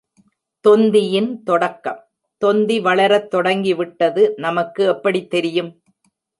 தொந்தியின் தொடக்கம் தொந்தி வளரத் தொடங்கிவிட்டது நமக்கு எப்படி தெரியும்?